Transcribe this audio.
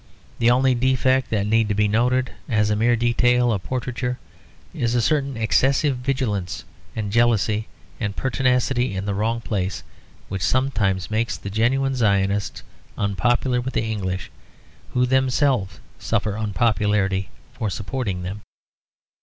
The only defect that need be noted, as a mere detail of portraiture, is a certain excessive vigilance and jealousy and pertinacity in the wrong place, which sometimes makes the genuine Zionists unpopular with the English, who themselves suffer unpopularity for supporting them.